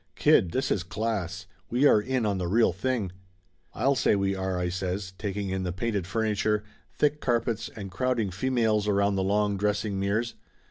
"Kid, this is class; we are in on the real thing!" "I'll say we are !" I says, taking in the painted fur niture, thick carpets and crowding females around the long dressing mirrors.